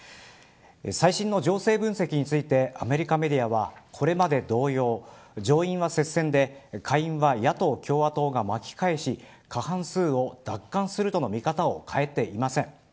最新の情勢分析についてアメリカメディアはこれまで同様、上院は接戦で下院は、野党・共和党が巻き返し過半数を奪還するとの見方を変えていません。